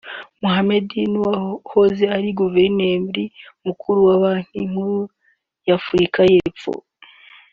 Mohammed n’uwahoze ari Guverineri Mukuru wa Banki Nkuru ya Afurika y’Epfo